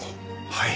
はい。